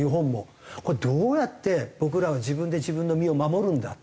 これどうやって僕らは自分で自分の身を守るんだ。